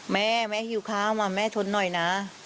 แม่แม่หิวข้าวมาแม่ทนหน่อยนะ